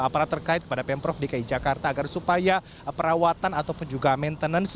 aparat terkait kepada pemprov dki jakarta agar supaya perawatan ataupun juga maintenance